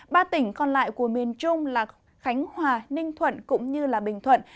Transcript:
ba tỉnh còn lại của miền trung là khánh hòa ninh thuận cũng như bình thuận